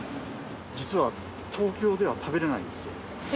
実は東京では食べれないんでえ？